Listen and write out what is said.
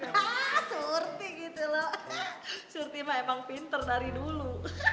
haa surti gitu loh surti emang pinter dari dulu